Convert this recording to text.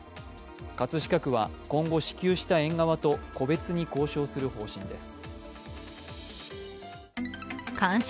葛飾区は今後支給した園側と個別に交渉する方針です。